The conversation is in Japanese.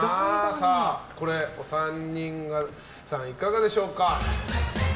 さあ、お三人さんいかがでしょうか。